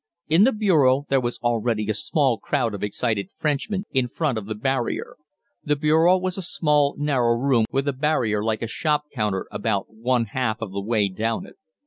In the bureau there was already a small crowd of excited Frenchmen in front of the barrier. The bureau was a small, narrow room with a barrier like a shop counter about one half of the way down it.